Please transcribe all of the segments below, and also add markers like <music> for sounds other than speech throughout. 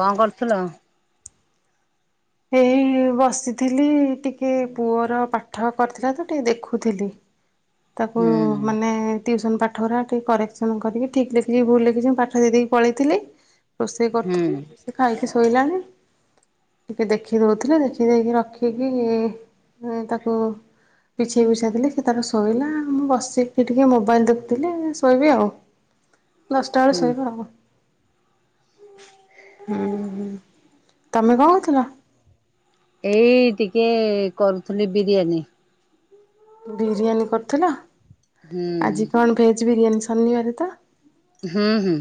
କଣ କରୁଥିଲ? ଏଇ ବସିଥିଲି ଟିକେ ପୁଅର ପାଠ କରିଥିଲା ତ ଟିକେ ଦେଖୁଥିଲି। ତାକୁ ହୁଁ ମାନେ ଟିଉସନ୍ ପାଠରା ଟିକେ କରେକ୍ସନ୍ କରିକି ଠିକ୍ ଲେଖିଛିି ଭୁଲ ଲେଖିଛି ମୁଁ ପାଠ ଦେଇ ଦେଇେଇକି ପଳେଇଥିଲେ ହ ରୋଷେଇ କରିଥିଲି ସେ ଖାଇକି ଶୋଇଲାଣି। ଟିକେ ଦେଖିବଏଥିରେ ଦେଖି ଦେଇକି ରଖିକି ତାକୁ ପିଛେଇ ବିିଛାଇଥିଲି ସେ ତାର ଶୋଇଲା ମୁଁ ବସିକି ଟିକେ ମୋବାଇଲ୍ ଦେଖୁଥିଲି ଆଉ ଶୋଇବି ଆଉ। ଉଁ। ଦଶାଟା ବେଳେ ସେଇ ପଡ଼ିଲି। ହୋଉ ହୋଉ ତମେ କଣ କରୁଥୁଲ? ଏଇ ଟିକେ କରୁଥୁନି ବିରିୟାନୀ। ବିରିୟାନୀ କରୁଥୁଲ ହୁଁ ଆଜି କଣ ଭେଜ୍ ବିରିୟାନୀ ଶନିବାର ତ? ହୁଁ ହୁଁ।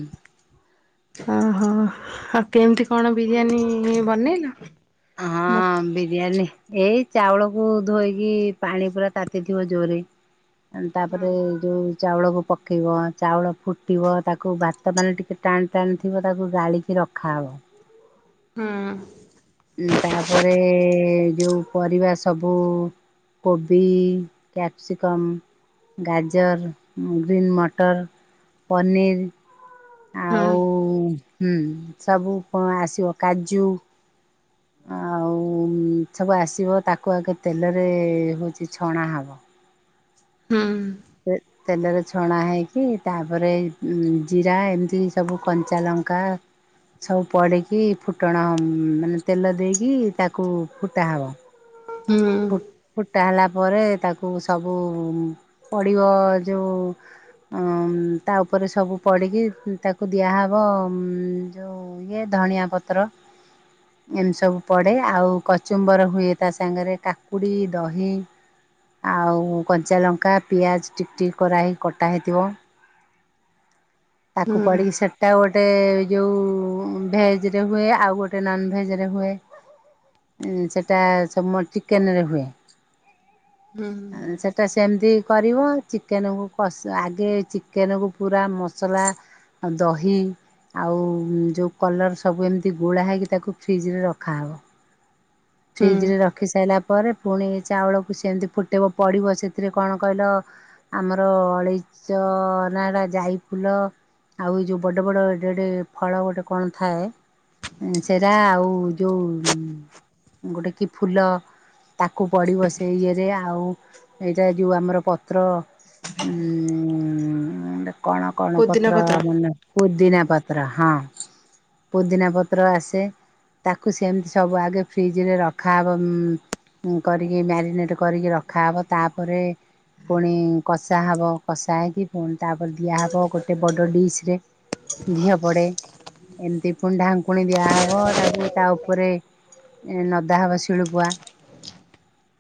ଓହୋ ଆଉ କେମତି କଣ ବିରିୟାନୀ ବନେଇଲୁ? ହଁ ବିରିୟାନୀ ଏଇ ଚାଉଳକୁ ଧୋଇକି ପାଣି ପୁରା ତାତିଥିବ ଜୋରେ। ତାପରେ ଯୋଉ ଚାଉଳକୁ ପ ପକେଇିବ ଚାଉଳ ଫୁଟିବ ତାକୁ ଵାତ ପାଣି ଟିକେ ଟାଣ ଟାଣଥିବ ତାକୁ ଗାଳିକି ରଖାହେବ। ହଁ। ତାପରେ ଯୋଉ ପରିବା ସବୁ କୋବି କ୍ୟାପ୍ସିକମ୍ ଗାଜର ଗ୍ରୀନ୍ ମଟର ପନିର ଆ ହଁ। ଉଁ ହୁଁ ସବୁ ଆସିବ କାଜୁ। ଆଉ ସବୁ ଆସିବ ତାକୁ ଆଗେ ତେଲରେ ହେଉଚି ଛଣା ହେବ। ହୋ ଉ। ତେଲରେ ଛଣା ହେଇକି ତାପରେ ଜିରା ଏମିତି ସବୁ କଞ୍ଚା ଲଙ୍କା ସବୁ ପଡ଼ିକି ଫୁଟଣ ମାନେ ତେଲ ଦେଇକି ତାକୁ ଫୁଟାହବ। ହୋ ଉ। ଫୁଟା ହେଲା ପରେ ତାକୁ ସବୁ ପଡ଼ିବ ଯେୋଉ ଆଉ ତା ଉପରେ ସବୁ ପଡ଼ିକି ତାକୁ ଦିଆହେବ ଯେଉ ଆଉ ଇଏ ଧଣିଆଁ ପତ୍ର। ଏମିତି ସବୁ ପଡିବ ଆଉ କଚୁମ୍ବର ହୁଏ ତା ସାଙ୍ଗରେ। କାକୁଡ଼ି ଦହି ଆଉ କଞ୍ଚାଲଙ୍କା ପିଆଜ। ଟିକ୍ ଟିକ୍ କରାହ ହେଇକି କଟା ହେଇଥିବ। ତାକୁ ପଡିକି ହୁଁ ସେପେ୍ ତ ଗୋଟେ ଯୋଉ ଭେଜ ରେ ହୁଏ ଆଉ ଗୋଟେ ନନ୍ ଭେଜ ରେ ହୁଏ। ସେଟା ସବୁ ଚିକେନରେ ହୁଏ। ହୁଁ। ସେଇଟା ସେମିତି କରିବେ ଚିକେନକୁ କସା ଆଗେ ଚିକେନକୁ ପୁରା ମ ସଲା, ଦହି ଆଉ ଯୋଉ କଲର ସବୁ ଏମିତି ଗୋଳା ହେଇକି ତାକୁ ଫ୍ରିଜ ରେ ରଖାହବ। ହୁଁ ଫ୍ରିଜରେ ରଖି ସାରିଲା ପରେ ପୁଣି ଚାଉଳକୁ ସେମିତି ଫୁଟେଇବ ପଡ଼ିବ ସେଥିରେ କଣ କହିଲ ଆମର ଅଳେଇଚ ନାଏଟା ଯାଇ ଫୁଲ। ଆଉ ଏଇ ଯୋଉ ବଡ଼ ବଡ଼ ଏଡେ ଏଡେ ଫଳ ଗୋଟେ କଣ ଥାଏ? ସେରା ଆଉ ଯେଉ ଗୋଟେ କି ଫୁଲ? ତାକୁ ପଡ଼ିବ ସେ ଇଏରେ ଆଉ ଏଇଟା ଯୋଗ ଆମର ପତ୍ର ଉଁ ଉଁ ଉଁ ଏଟା କଣ କଣ ପତ୍ର ମାନେ ପୁଦିନା ପତ୍ର ହଁ। ପୁଦିନା ପତ୍ର ଆସେ ତାକୁ ସେମିତି ସବୁ ଆଗେ ଫ୍ରିଜରେ ରଖାହବ କରିକି ମ୍ୟାରିନେଟ୍ କରିକି ରଖାହବ ତାପରେ ପୁଣି କଷା ହେବ କଷା ହେଇକି ପୁଣି ତାପରେ ଦିଆହେବ ଗୋଟେ ବଡ଼ ଡିସ ରେ ଘିଅ ପଡ଼େ ଏମିତି ପୁଣି ଢାଙ୍କୁଣୀ ଦିଆହେବ ତାକୁ ତା ଉପରେ ନଦା ହବ ଶିଳୁପୁଆ।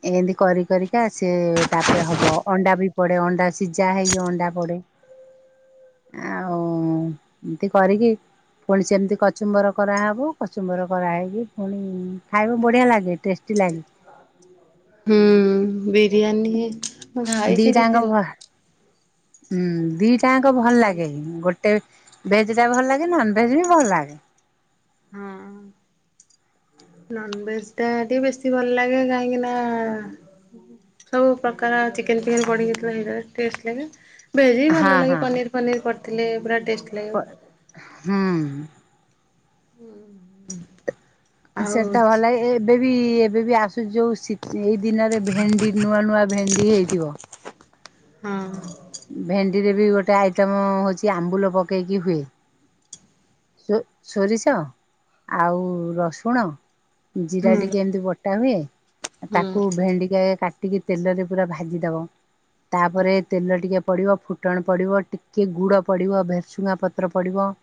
ଏମିତି କରି କରିକି ସେ ତାପରେ ହବ ଅଣ୍ଡା ବି ପଡ଼େ ଅଣ୍ଡା ସିଝା ହେଇକି ଅଣ୍ଡା ପଡ଼େ। ଆଉ ଏମିତି କରିକି ପୁଣି ସେମିତି କଚୁମ୍ବର କରାହେବ କଚୁମ୍ବର କରାହେଇକି ପୁଣି ଖାଇବା ବଢିଆ ଲାଗେ ଟେଷ୍ଟି ଲାଗେ। ହୁଁ ବିରୟାନୀ ଖାାଇଛି ଦିଟାଙ୍କ ଦିତି ଭ ହୁଁ ଦିଟାଙ୍କ ଭଲ ଲାଗେ ଗୋଟେ ଭେଜ ଟା ଭଲ ଲାଗେ ନନ ଭେଜ ବି ଭଲ ଲାଗେ। <inaudible> ନନ ଭେଜ ଟା ଟିକେ ବେଶୀ ଭଲ ଲାଗେ କାହିଁକି ନା ସବୁ ପ୍ରକାର ଚିକେନ ଫିକେନ୍ ପଡିକି ସେଇଟା ଟେଷ୍ଟ ଲାଗେ। ଭେଜି ହଁ ଭଲ ଲାଗେ ହଁ ପନିର୍ ଫନିର୍ କରିଥିଲେ ପୁରା ଟେଷ୍ଟ ଲାଗିବ। ହୁଁ। ହୁଁ ହୁ। ସେଟା ଭଲ ଲାଗେ ଏବେ ବି ଏବେ ବି ଆସୁ ଯୋଉ ଶୀ ଏଇ ଦିନରେ ଭେଣ୍ଡି ନୂଆ ନୂଆ ଭେଣ୍ଡି ହେଇଥିବ ହଁ। ଭେଣ୍ଡିରେ ବି ଗୋଟେ ଆଇଟମ ହଉଛି ଆମ୍ବୁଲ ପକେଇକି ହୁଏ। ସୋରିଷ ଆଉ ରସୁଣ ଜିରା ଟିକେ ଏମିତି ବ କଟା ହୁଏ ହୁଁ ହୁଁ ତାକୁ ଭେଣ୍ଡି କାଟିକି ତେଲରେ ପୁରା ଭାଜିଦବ ତାପରେ ତେଲ ଟିକେ ପଡ଼ିବ ଫୁଟଣ ପଡ଼ିବ ଟିକଏ ଗୁଡ଼ ପଡ଼ିବ ଭେରସୁଙ୍ଗା ପତ୍ର ପଡ଼ିବ।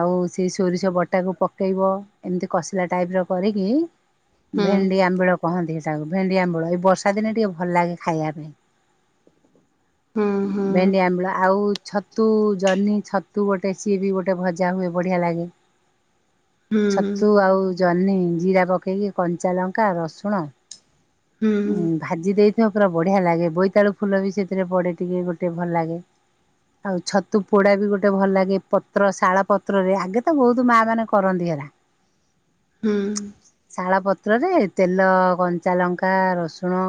ଆଉ ସେ ସୋରିଷ ବଟାକୁ ପକେଇବ ଏମିତି କସିଲା ଟାଇପ୍ ର କରିକି ହୁଁ ଭେଣ୍ଡି ଆମ୍ବିଳ କହନ୍ତି ସେଟାକୁ ଭେଣ୍ଡି ଆମ୍ବିଳ ଏଇ ବର୍ଷା ଦିନେ ଟିକେ ଭଲ ଲାଗେ ଖାଇବା ପାଇଁ। ଭେଣ୍ଡି ଆମ୍ବଳ ଆଉ ଛତୁ ଜହ୍ନି ଛତୁ ଗୋଟେ ସିଏ ବି ଗୋଟେ ଭଜା ହୁଏ ବଢିଆ ଲାଗେ। ଛତୁ ଆଉ ଜହ୍ନି ଜିରା ପକେଇକି କଞ୍ଚା ଲଙ୍କା ରସୁଣ ହୁଁ ହୁଁ। ଉଁ ଭାଜି ଦେଇଥିବ ପୁରା ବଢ଼ିଆ ଲାଗେ ବୋଇତାଳୁ ଫୁଲ ବି ସେଥିରେ ପଡ଼େ ଟିକେ ଗୋଟେ ଭଲ ଲାଗେ ଆଉ ଛତୁ ପୋଡା ବି ଗୋଟେ ଭଲ ଲାଗେ ପତ୍ର ଶାଳ ପତ୍ରରେ ଆଗେ ତ ବହୁତ ମା ମାନେ କରନ୍ତିି ହେରା। ହୁଁ। ଶାଳ ପତ୍ରରେ ତେଲ କଞ୍ଚାଲଙ୍କା ରସୁଣ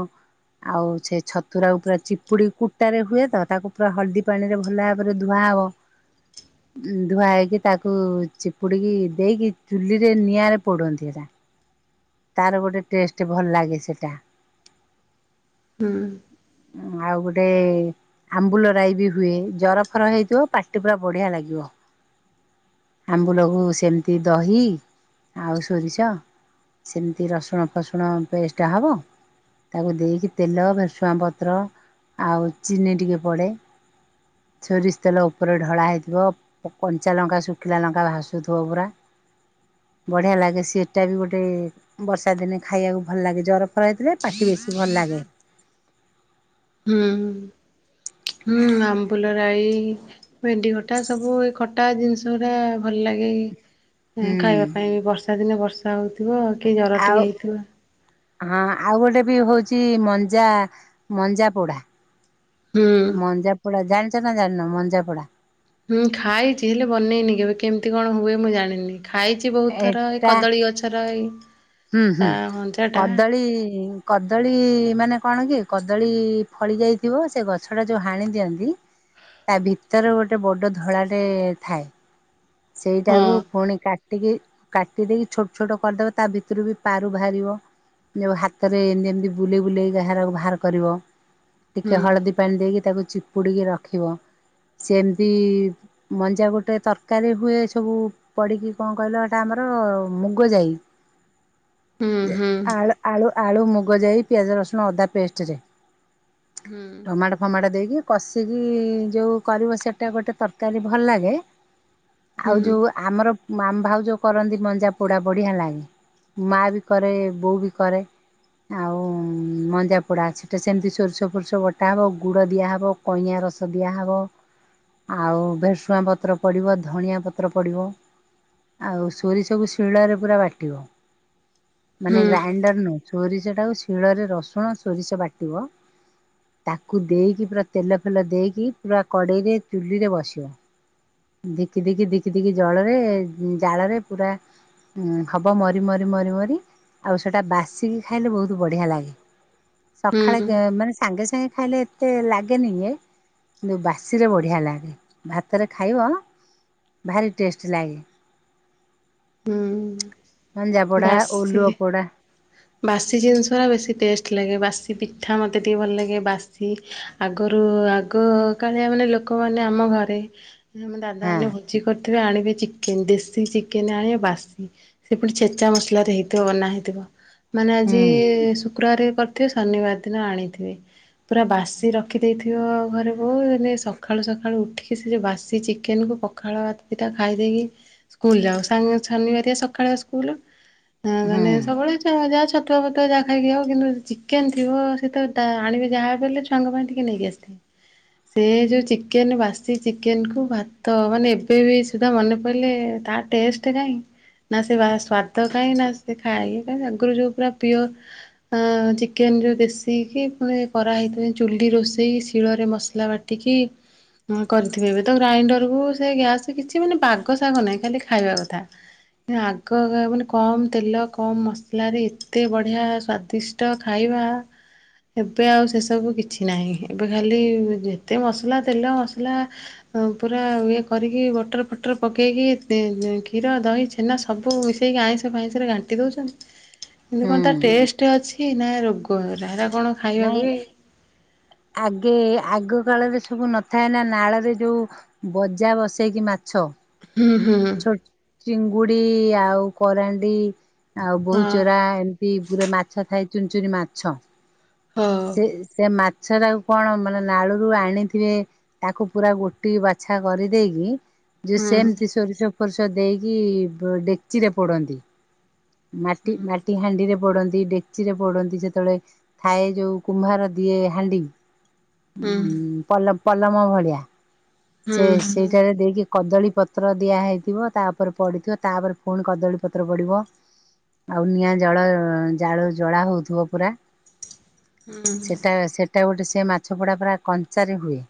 ଆଉ ସେ ଛତୁରାକୁ ପୁରା ଚିପୁଡ଼ି କୁଟାରେ ହୁଏ ତ ତାକୁ ପୁରା ହଳଦୀ ପାଣିରେ ଭଲ ଭାବରେ ଧୁଆହବ ହ। ଧୁଆ ହେଇକି ତାକୁ ଚିପୁଡ଼ିକି ଦେଇକି ଚୁଲିରେ ନିଆଁରେ ପୋଡନ୍ତି ଏରା। ତାର ଗୋଟେ ଟେଷ୍ଟ ଭଲ ଲାଗେ ସେଟା। ହୁଁ। ଆଉ ଗୋଟେ ଆମ୍ବୁଲ ରାଇ ବି ହୁଏ ଜର ଫର ହେଇଥିବ ପାଟି ପୁରା ବଢିଆ ଲାଗିବ। ଆମ୍ବୁଲକୁ ସେମିତି ଦହି ଆଉ ସୋରିଷ ସେମିତି ରସୁଣ ଫସୁଣ ପେଷ୍ଟା ହବ। ତାକୁ ଦେଇକି ତେଲ ଭ୍ରେଶୁଙ୍ଗା ପତ୍ର ଆଉ ଚିନି ଟିକେ ପଡ଼େ। ଶୋରିଶ ତେଲ ଉପରେ ଢଳା ହେଇଥିବ। କଞ୍ଚା ଲଙ୍କା, ଶୁଖିଲା ଲଙ୍କା ଭାସୁଥିବ ପୁରା। ବଢିଆ ଲାଗେ ସେଟା ବି ଗୋଟେ ବର୍ଷା ଦିନେ ଖାଇବାକୁ ଭଲ ଲାଗେ। ଜ୍ୱର ଫର ହେଇଥିଲେ ପାଟିକି ବେଶି ଭଲ ଲାଗେ। ହୁଁ ହୁଁ ଆମ୍ବୁଲରାଇ। ଭେଣ୍ଡି ଖଟା ସବୁ ଏ ଖଟା ଜିନିଷ ଗୁଡା ଭଲ ଲାଗେ ହୁଁ। ଖାଇବା ପାଇଁ ବି ବର୍ଷ ବର୍ଷା ଦିନେ ବର୍ଷା ହେଉଥିବ କି ଜ୍ୱର ଆଉ ଟିକିେ ହେଇଥିବ। ହଁ ଆଉ ଗୋଟେ ବି ହଉଛି ମଞ୍ଜା ମଞ୍ଜା ପୋଡା। ହୁଁ ମଞ୍ଜାପୋଡା ଜାଣିଛ ନା ଜାଣନ ମଞ୍ଜାପୋଡା। ହୁଁ ଖାଇଛି ହେଲେ ବନେଇନି କେବେ କେମିତି କଣ ହୁଏ ମୁଁ ଜାଣିନି ଖାଇଛି। ବହୁତ ଥର ଏ ଏଟା କଦଳୀ ଗଛର ଏଇ ହୁଁ ହୁଁ ତା ମଞ୍ଜା ଟା କଦଳୀ ଳୀ କଦଳୀ ମାନେ କଣ କି କଦଳୀ ଫଳି ଯାଇଥିବ ସେ ଗଛ ସେଟା ଯୋଉ ହାଣି ଦିଅନ୍ତି ତା ଭିତର ଗୋଟେ ବଡ ଧଳାଟେ ଥାଏ। ହଁ ସେଇଟାକୁ ଫୁଣି କା ଟିକେ କାଟିଦେଇକି ଛୋଟ ଛୋଟ କରିଦେବ ତା ଭିତରୁ ବି ପାରୁ ବାହାରିବ। ହାତରେ ଏମିତି ଏମତି ବୁଲେଇ ବୁଲେଇ ହେରକୁ ବାହାର କରିବ ହୁଁ ଟିକେ ହଳଦୀ ପାଣି ଦେଇକି ତାକୁ ଚିପୁଡ଼ିକି ରଖିବ ସେମିତି ମଞ୍ଜା ଗୋଟେ ତରକ ଆରକାରୀ ହୁଏ ସବୁ ପଡ଼ିକି କଣ କହିଲ ଏଇଟା ଆମର ମୁଗ ଯାଇ ହୁଁ ହୁଁ ଆଳୁ ଆଳୁ ଆଳୁ ମୁଗ ଯାଇ ପିଆଜ ରସୁଣ ଅଦା ପେଷ୍ଟରେ ହୁଁ ଟମାଟୋ ଟମାଟ ଦେଇକି କଷିକି ଯୋଉ କରିବ ସେଇଟା ଗୋଟେ ତରକାରୀ ଭଲ ଲାଗେ। ଆଉ ହୁଁ ଯଉ ଆମର ଆମ ଭାଉ ଯୋଉ କରନ୍ତି ମଞ୍ଜା ପୋଡା ପୋଡ଼ି ହେଲାଗି। ମା ବି କରେ ବୋଉ ବି କରେ। ଆଉ ମଞ୍ଜାପୋଡ଼ା ଅଛି ସେଇଟା ସେମିତି ସୋରିଷ ଫୋରିଷ ବଟା ହେବ ଗୁଡ଼ ଦିଆହବ। କଇଁଆ ରସ ଦିଆହବ ଆଉ ଭେସୁଆଁ ପତ୍ର ପଡ଼ିବ। ଧଣିଆ ପତ୍ର ପଡ଼ିବ। ଆଉ ସୋରିସ କୁ ଶୀଳରେ ପୁରା ବାଟିବ ମାନେ ହୁଁ ଗ୍ରାଇଣ୍ଡର ନୁହ୍। ସୋରିଷଟାକୁ ଶିଳରେ ରସୁଣ ସୋରିଷ ବାଟିବ। ତାକୁ ଦେଇକି ପୁରା ତେଲ ଫେଲ ଦେଇକି ପୁରା କଡ଼େଇରେ ଚୁଲିରେ ବସିବ। ଦିକି ଦିକି ଦିକି ଦିକି ଜଳରେ ଜାଳରେ ପୁରା ହବ ମରି ମରି ମରି ମରି ଆଉ ସେଇଟା ବାସିକି ଖାଇଲେ ବହୁତ ବଢ଼ିଆ ଲାଗେ। ସଖାଳେ ହୁଁ ଗେଁ ମାନେ ସାଙ୍ଗେ ସାଙ୍ଗେ ଖାଇଲେ ଏତେ ଲାଗେନିଏ କିନ୍ତୁ ବାସିରେ ବଢ଼ିଆ ଲାଗେ ଭାତରେ ଖାଇବ। ଭାରି ଟେଷ୍ଟ ଲାଗେ। ମଞ୍ଜା ପୋଡା ଓଲୁଅ ଭାସିଲି ପୋଡା ବାସି ଜିନିଷ ଗୁରା ବେଶୀ ଟେଷ୍ଟ ଲାଗେ ବାସି ପିଠା ମୋତେ ଟିକିେ ଭଲ ଲାଗେ ବାସି ଆଗରୁ ଆଗ କାଳିଆ ମାନେ ଲୋକମାନେ ଆମ ଘରେ ଆମ ହଁ ଦାଦାମାନୋନେ ଭୋଜି କରିଥିବେ ଆଣିବେ ଚିକେନ ଦେଶୀ ଚିକେନ ଆଣିବେ ବାସି ସେ ପୁଣି ଚ ଚା ମସଲାରେ ହେଇଥିବ ବନା ହେଇଥିବ। ମାନେ ହୁଁ ଆଜି ସୁ ସୁକ୍ରବାରେ ବି କରିଥିବେ ଶନିବାର ଦିନ ଆଣିଥିବେ। ପୁରା ବାସି ରଖିଦେଇଥିବ ଘରେ ବୋଉ ହେନେ ସଖାଳୁ ସଖାଳୁ ଉଠିକି ସେ ଯୋଉ ବାସି ଚିକେନ୍ କୁ ପ ପଖାଳ ଭାତ ଦିଟା ଖାଇଦେଇକି ସ୍କୁଲ ଯାଉଁ, ଶ ଶନିବାରିଆ ସଖାଳ ସ୍କୁଲ। ହଁ ହୁଁ ମାନେ ସବୁବେଳେ <unintelligible> ଛତୁଆ ଫତୁଆ ଯାହା ଖାଇକି ହବ। କିନ୍ତୁ ଚିକେନ୍ ଥିବ ସେତ ତାହା ଆଣିବେ ଯାହାବି ହେଲେ ଛୁଆଙ୍କ ପାଇଁ ଟିକେ ନେଇକି ଆ <unintelligible> ସେ ଯୋଉ ଚିକେନ୍ ବାସି ଚିକେନ୍ କୁ ଭାତ ମାନେ ଏବେ ବି ସୁଦ୍ଧା ମନେ ପଇଲେ ତା ଟେଷ୍ଟ୍ ଏତେ କାଇଁ ନା ସେ ବା ସ୍ୱାଦ କାଇଁ ନା ସେ ଖାଇବା ନା ଆଗରୁ ଯୋଉ ପୁରା ପିଓର ହାଁ ଚିକେନ୍ ର ଦେଶୀ କି ଫୁଣି କରାହେଇଥିବ ଯେମିତି ଚୁଲି ରୋଷେଇ ଶିଳରେ ମସଲା ବା ତିକି ହଁ କରିଥିବେ ଏବେ ତ ଗ୍ରାଇଣ୍ଡର କୁ ସେ ଗ୍ୟାସ କିଛି ମାନେ ବାଗ ସାଗ ନାହିଁ। ଖାଲି ଖାଇବା କଥା। ଆଗ କହିବାକୁ ଗନେ କମ୍ ତେଲ କମ୍ ମସଲାରେ ଏତେ ବଢ଼ିଆ ସ୍ଵାଦିଷ୍ଟ ଖାଇବା। ଏବେ ଆଉ ସେ ସବୁ କିଛି ନାହିଁ। ଏବେ ଖାଲି ଯେତେ ମସଲା ତେଲ ମସଲା ପୁରା ଇଏ କରିକି ବଟର ଫଟର ପକେଇକି କ୍ଷୀର, ଦହି, ଛେ ହେନା ସବୁ ମିଶେଇକି ଆଇଁ ଭାଇଁସରେ ଘାଣ୍ଟି ଦଉଛନ୍ତି। ହେଲେ କଣ ତା ହୁଁ। ଟେଷ୍ଟ ଅଛି? ନାଁ ରୋଗରା ହେରା କଣ? ନାଇଁ ଖାଇବାକୁ ବି ଆଗେ ଆଗ କାଳରେ ସବୁ ନଥାଏ ନା ନାଳରେ ଯୋଉ ବଜା ବସେଇକି ମାଛ। ହୁଁ ହୁଁ ହୁଁ ଚିଙ୍ଗୁଡ଼ି ଆଉ କରାଣ୍ଡି ଆଉ ହଁ ବୋହୁଚୋରା ଏମତି ପୁରା ମା ମାଛ ଥାଇ ଚୁନଚୁନି ମାଛ ହଉ ସେ ସେ ମାଛଟାକୁ କଣ ମାନେ ନାଳରୁ ଆଣିଥିବେ ତାକୁ ପୁରା ଗୋଟି ବାଛା କରିଦେଇ କି ଯେ ହୁଁ ସେମିତି ସୋରିଷ ଫୋରିଷ ଦେଇକି ଡେକ୍ଚିରେ ପୋଡ଼ନ୍ତି ମାଟି ହୁଁ ମାଟି ହାଣ୍ଡିରେ ପୋଡ଼ନ୍ତି, ଡେକ୍ଚିରେ ପୋଡ଼ନ୍ତି ସେତେବେଳେ ଥାଏ ଯୋଉ କୁମ୍ଭାର ଦିଏ ହାଣ୍ଡି ହୁଁ ପଲ ପଲମ ଭଳିଆ ସେ ହୁଁ ହୁଁ ସେଇଟାରେ ଦେଇକି କଦଳୀ ପତ୍ର ଦିଆହେଇଥିବ ତାପରେ ପଡ଼ିଥିବ ତାପରେ ପୁଣି କଦଳୀ ପତ୍ର ପଡ଼ିବ। ଆଉ ନିଆଁ ଜଳ ଜାଳ ଜଳା ହଉଥିବ ପୁରା। ହୁଁ ସେଟା ସେଟା ଗୋଟେ ସେ ମାଛ ପଡ଼ା ପୁରା କଞ୍ଚାରେ ହୁଏ।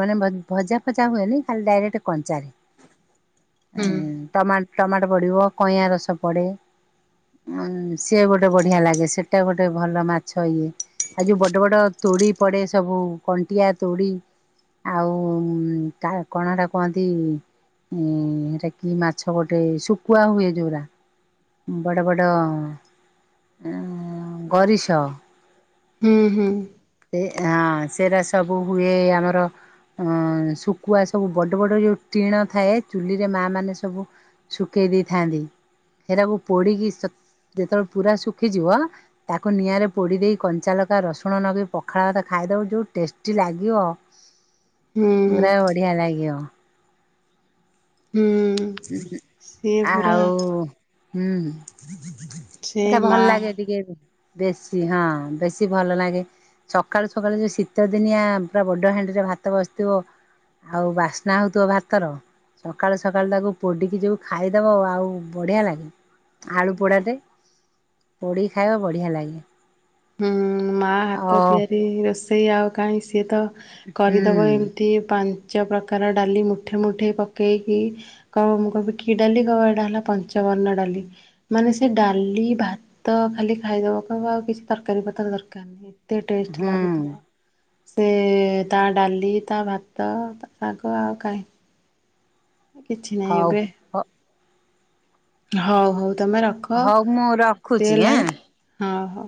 ମାନେ ଭଜା ଫଜା ହୁଏନି ଖାଲି ଡାଇରେକ୍ଟ କଞ୍ଚାରେ। ହୁଁ। ଟମା ଟମାଟୋ ପଡ଼ିବ କଇଁଆ ରସ ପଡ଼େ ଉ ସିଏ ଗୋଟେ ବଢ଼ିଆ ଲାଗେ ସେଟା ଗୋଟେ ଭଲ ମାଛ ଇଏ ଆଉ ଯୋଉ ବଡ଼ ବଡ଼ ତୋଡ଼ି ପଡ଼େ ସବୁ। କଣ୍ଟିଆ, ତୋଡ଼ି ଆଉ କା କଣା ଟା କୁହନ୍ତି ଉଁ ହେଟା କି ମାଛ ଗୋଟେ ଶୁକୁଆ ହୁଏ ଜଉରା। ବଡ଼ ବଡ଼ ଗରିସ ହୁଁ ହୁଁ। ସେ ହଁ ସେରା ସବୁ ହୁଏ ଆମର। ଅ ଶୁଖୁଆ ସବୁ ବଡ଼ ବଡ଼ ଏଇ ଯୋଉ ଟିଣ ଥାଏ। ଚୁଲିରେ ମା ମାନେ ସବୁ ଶୁଖେଇ ଦେଇଥାନ୍ତି। ଏରାକୁ ପୋଡ଼ିକି ସ ଯେତେବେଳେ ପୁରା ଶୁଖିଯିବ ତାକୁ ନିଆଁରେ ପୋଡ଼ିଦେଇ କଞ୍ଚାଲକା ରସୁଣ ନଗେଇ ପଖାଳ ଭାତ ଖାଇଦବ ଯୋଉ ଟେଷ୍ଟି ଲାଗିବ। ହୁଁ ପୁରା ହୁଁ ବଢ଼ିଆ ଲାଗିବ। ହୁଁ ଉଁ ହୁଁ ସିଏ ଆଉ ହୁଁ ଦ <inaudible> ସେଇଟା ଭଲ ଲାଗେ ଟିକେ ବେଶୀ ହଁ ବେଶୀ ଭଲ ଲାଗେ ସକାଳୁ ସକାଳୁ ଯେଉଁ ଶୀତ ଦିନିଆ ପୁରା ବଡ ହାଣ୍ଡିରେ ଭାତ ବସିଥିବ ଆଉ ବାସ୍ନା ହଉଥିବ ଭାତର ସକାଳୁ ସକାଳୁ ତାକୁ ପୋଡିକି ଯଉ ଖାଇଦବ ଆଉ ବଢିଆ ଲାଗେ ଆଳୁ ପୋଡାଟେ ପୋଡ଼ିକି ଖାଇବ ବଢ଼ିଆ ଲାଗେ ହଁ ମା ଅ ହାତ ତିଆରି ରୋଷେଇ ଆଉ କାହିଁ ସିଏ ତ ହୁଁ କରିଦବ ଏମିତି ପାଞ୍ଚ ପ୍ରକାର ଡାଲି ମୁଠେ ମୁଠେ ପକେଇକି କଉ ମୁଁ କହିବି କି ଡାଲି କହିବ ଏଇଟା ହେଲା ପଞ୍ଚବର୍ଣ୍ଣଡାଲି ମାନେ ସେ ଡାଲି ଭାତ ଖାଲି ଖାଇଦବ କହିବ ଆଉ କିଛି ତରକାରୀ ପତର ଦରକାର ନାହି ଏତେ ଟେଷ୍ଟ ହୁଁ ଲାଗୁଥିବ ସେ ତା ଡାଲି ତା ଭାତ ଶାଗ ଆଉ କାହିଁ କିଛି ନାହିଁ ହଉ ଏବେ ହଉ ହଉ ତମେ ରଖ ହଉ ମୁଁ ରାତି ରଖୁଛି ଆଁ ହେଲାଣି ହଁ ହଉ